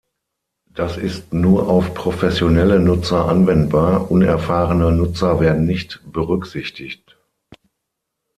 Das ist nur auf professionelle Nutzer anwendbar, unerfahrene Nutzer werden nicht berücksichtigt.